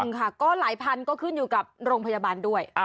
ค่ะก็หลายพันก็ขึ้นอยู่กับโรงพยาบาลด้วย